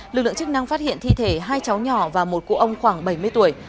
lực lượng chức năng phát hiện thi thể hai cháu nhỏ và một cụ ông khoảng bảy mươi tuổi